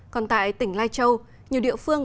còn tại tỉnh lai châu nhiều địa phương